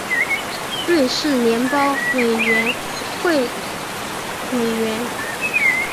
瑞士联邦委员会委员。